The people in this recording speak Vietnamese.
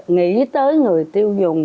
nghĩ tới người tiêu dùng